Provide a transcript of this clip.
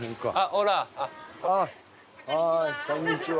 こんにちは。